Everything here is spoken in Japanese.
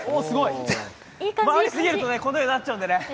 回りすぎると、このようになっちゃうんでね。